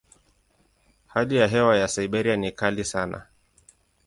Hali ya hewa ya Siberia ni kali sana.